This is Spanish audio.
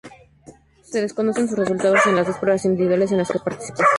Se desconocen sus resultados en las dos pruebas individuales en las que participó.